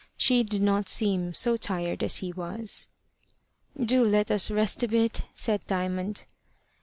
She did not seem so tired as he was. "Do let us rest a bit," said Diamond.